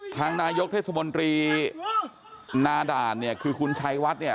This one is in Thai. ทางนายกเทศมนตรีนาด่านเนี่ยคือคุณชัยวัดเนี่ย